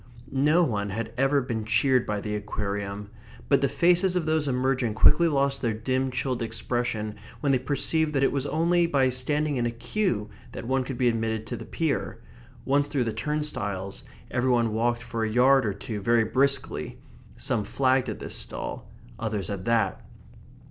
No one had ever been cheered by the Aquarium; but the faces of those emerging quickly lost their dim, chilled expression when they perceived that it was only by standing in a queue that one could be admitted to the pier. Once through the turnstiles, every one walked for a yard or two very briskly; some flagged at this stall; others at that.